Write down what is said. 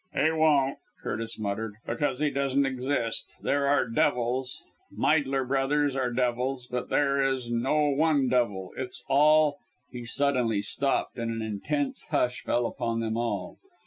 "He won't!" Curtis muttered, "because he doesn't exist. There are devils Meidler Brothers were devils but there is no one devil! It's all " He suddenly stopped and an intense hush fell upon them all.